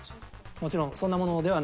もちろんそんなものではないです